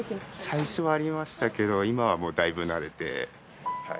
最初はありましたけど、今はもうだいぶ慣れて。